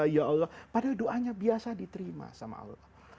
padahal doanya biasa diterima sama allah